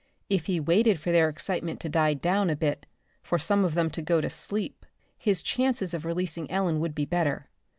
If he waited for their excitement to die down a bit, for some of them to go to sleep, his chances of releasing Ellen would be better.